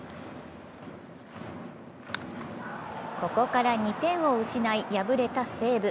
ここから２点を失い敗れた西武。